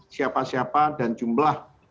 siapa siapa dan jumlah